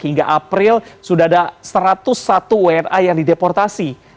hingga april sudah ada satu ratus satu wna yang dideportasi